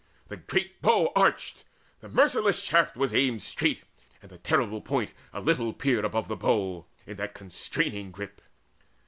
The great bow arched, the merciless shaft was aimed Straight, and the terrible point a little peered Above the bow, in that constraining grip.